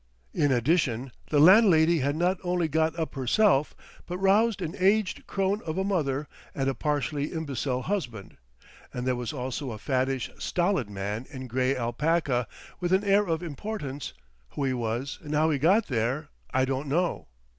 In addition, the landlady had not only got up herself, but roused an aged crone of a mother and a partially imbecile husband, and there was also a fattish, stolid man in grey alpaca, with an air of importance—who he was and how he got there, I don't know.